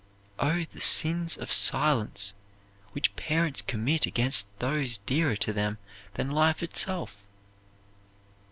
Oh, the sins of silence which parents commit against those dearer to them than life itself!